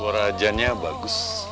suara ajannya bagus